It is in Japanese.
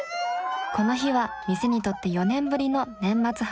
この日は店にとって４年ぶりの年末販売会。